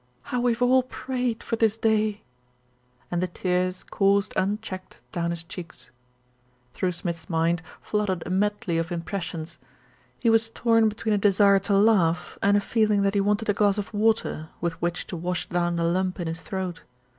"How we've all prayed for this day," and the tears coursed un checked down his cheeks. Through Smith's mind flooded a medley of impres sions. He was torn between a desire to laugh and a feeling that he wanted a glass of water with which to wash down the lump in his throat.